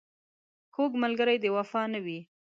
کوږ ملګری د وفا نه وي